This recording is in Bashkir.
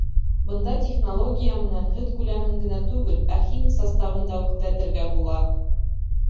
Бындай технология менән һөт күләмен генә түгел, ә химик составын да күҙәтергә була.